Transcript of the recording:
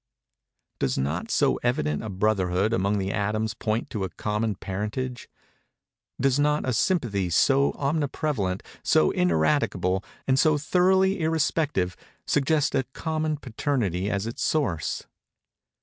Does not so evident a brotherhood among the atoms point to a common parentage? Does not a sympathy so omniprevalent, so ineradicable, and so thoroughly irrespective, suggest a common paternity as its source?